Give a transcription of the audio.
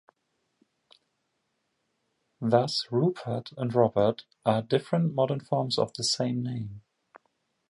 Thus, "Rupert" and "Robert" are different modern forms of the same name.